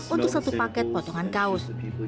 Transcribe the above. untuk satu paket potongan kaos